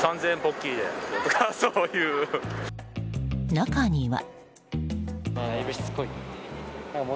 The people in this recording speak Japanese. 中には。